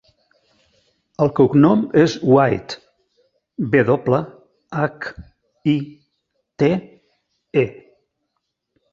El cognom és White: ve doble, hac, i, te, e.